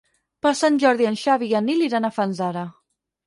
Per Sant Jordi en Xavi i en Nil iran a Fanzara.